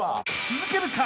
［続けるか？